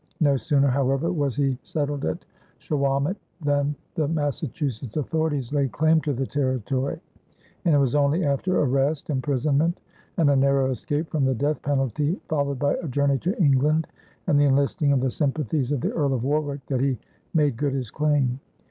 No sooner, however, was he settled at Shawomet, than the Massachusetts authorities laid claim to the territory, and it was only after arrest, imprisonment, and a narrow escape from the death penalty, followed by a journey to England and the enlisting of the sympathies of the Earl of Warwick, that he made good his claim.